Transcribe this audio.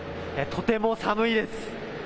とても寒いです。